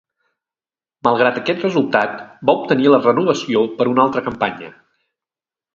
Malgrat aquest resultat, va obtenir la renovació per una altra campanya.